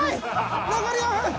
残り４分。